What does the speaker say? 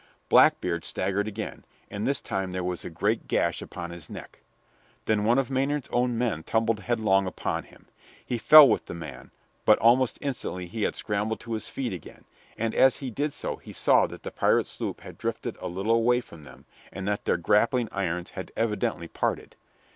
Blackbeard staggered again, and this time there was a great gash upon his neck. Then one of Maynard's own men tumbled headlong upon him. He fell with the man, but almost instantly he had scrambled to his feet again, and as he did so he saw that the pirate sloop had drifted a little away from them, and that their grappling irons had evidently parted.